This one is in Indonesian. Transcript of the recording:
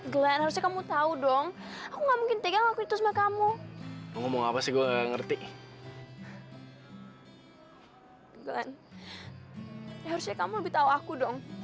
glenn ya harusnya kamu lebih tahu aku dong